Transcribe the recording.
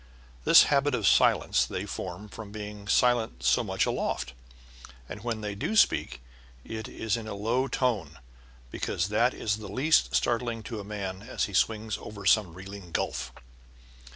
This habit of silence they form from being silent so much aloft. And when they do speak it is in a low tone, because that is the least startling to a man as he swings over some reeling gulf.